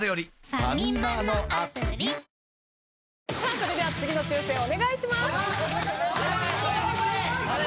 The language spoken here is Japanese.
それでは次の抽選お願いしますおーい！